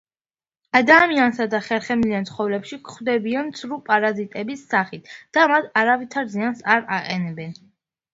ადამიანსა და ხერხემლიან ცხოველებში გვხვდებიან ცრუ პარაზიტების სახით და მათ არავითარ ზიანს არ აყენებენ.